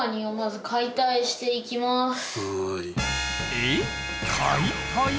えっ？